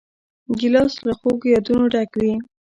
ګیلاس له خوږو یادونو ډک وي.